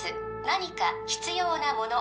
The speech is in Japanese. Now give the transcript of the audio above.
何か必要なもの